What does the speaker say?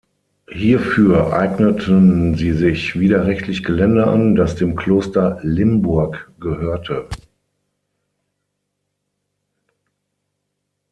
Hierfür eigneten sie sich widerrechtlich Gelände an, das dem Kloster Limburg gehörte.